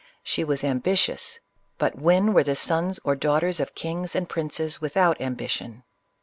She was ambitious, — but when were the sons or daughters of kings and princes without am 18 CLEOPATRA. bition?